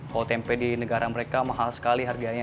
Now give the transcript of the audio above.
kalau tempe di negara mereka mahal sekali harganya